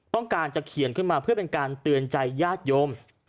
ต้องการจะเขียนขึ้นมาเพื่อเป็นการเตือนใจญาติโยม